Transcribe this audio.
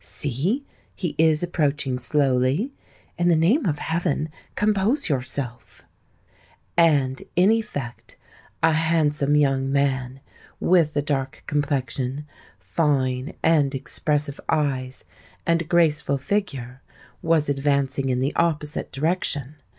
See—he is approaching slowly;—in the name of heaven compose yourself!" And, in effect, a handsome young man,—with a dark complexion, fine and expressive eyes, and a graceful figure,—was advancing in the opposite direction.